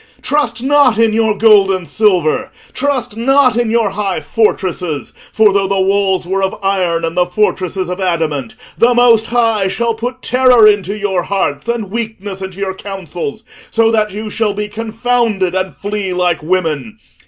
Trust not in your gold and silver, trust not in your high fortresses; for, though the walls were of iron, and the fortresses of adamant, the Most High shall put terror into your hearts and weakness into your councils, so that you shall be confounded and flee like women.